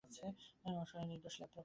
অসহায়, নির্দোষ ল্যাপ্রেকন।